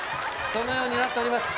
そのようになっております。